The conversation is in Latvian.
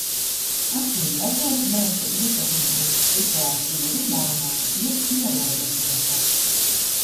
Acīmredzot mūsu ietekme uz situāciju Libānā ir ierobežota.